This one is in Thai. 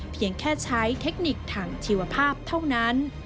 เพียงแค่ใช้เทคนิคทางชีวภาพเท่านั้น